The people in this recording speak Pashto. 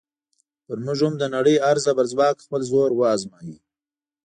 پر موږ هم د نړۍ هر زبرځواک خپل زور ازمایه.